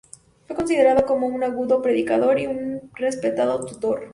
Fue considerado como un agudo predicador y un respetado tutor.